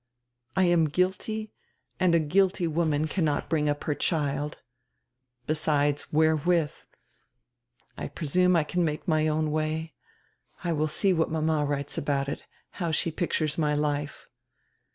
I am guilty, and a guilty woman cannot bring up her child. Besides, where with? I presume I can make my own way. I will see what mama writes about it, how she pictures my life."